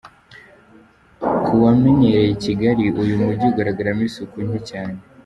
Ku wamenyereye i Kigali, uyu mujyi ugaragaramo isuku nke cyane.